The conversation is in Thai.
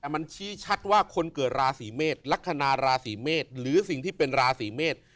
มันชี้ชัดว่าคนเกิดราศีเมษลักษณะราศีเมษหรือสิ่งที่เป็นราศีเมษ